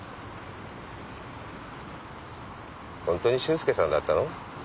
ホントに修介さんだったの？